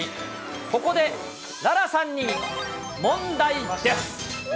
ここで、楽々さんに問題です。